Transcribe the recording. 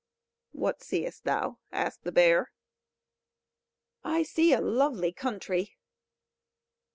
"What seest thou?" asked the bear. "I see a lovely country."